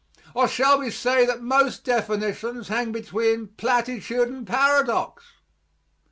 Or shall we say that most definitions hang between platitude and paradox?